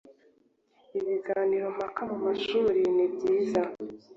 Ibiganiro mpaka mu mashuri nibyiza